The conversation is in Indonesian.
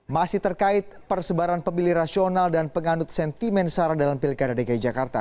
masih terkait persebaran pemilih rasional dan penganut sentimen sara dalam pilkada dki jakarta